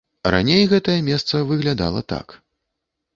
Раней гэтае месца выглядала так.